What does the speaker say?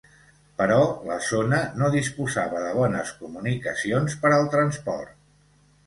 Però la zona no disposava de bones comunicacions per al transport.